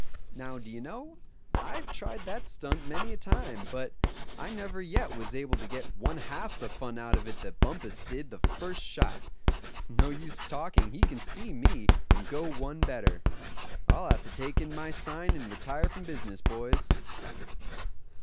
"Now, d'ye know, I've tried that stunt many a time, but I never yet was able to get one half the fun out of it that Bumpus did the first shot. No use talking, he can see me, and go one better. I'll have to take in my sign, and retire from business, boys."